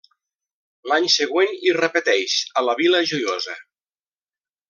L'any següent hi repeteix a la Vila Joiosa.